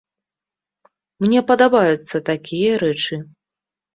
Мне падабаюцца такія рэчы.